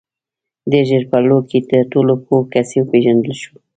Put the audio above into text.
• ډېر ژر په لو کې تر ټولو پوه کس وپېژندل شو.